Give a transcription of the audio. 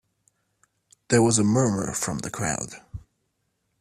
There was a murmur from the crowd.